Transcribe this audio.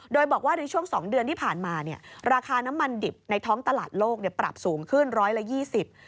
โดยบอกว่าในช่วงสองเดือนที่ผ่านมาเนี่ยราคาน้ำมันดิบในท้องตลาดโลกเนี่ยปรับสูงขึ้นร้อยละยี่สิบ